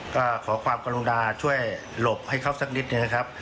ก็ขอความกรุณาช่วยหลบให้เขาสักนิดหนึ่งนะครับ